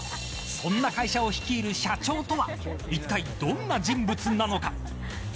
そんな会社を率いる社長とはいったいどんな人物なのか。